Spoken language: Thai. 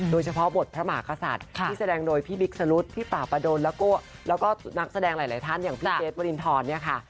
โดยเฉพาะบทพระมหากษัตริย์ที่แสดงโดยพี่บิ๊กสรุธพี่ป่าประดนแล้วก็นักแสดงหลายท่านอย่างพี่เกรทวรินทรเนี่ยค่ะ